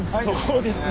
そうですね。